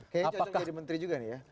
kayaknya cocok menjadi menteri juga nih ya